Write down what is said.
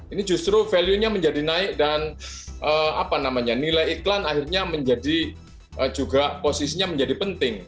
ini justru value nya menjadi naik dan nilai iklan akhirnya menjadi juga posisinya menjadi penting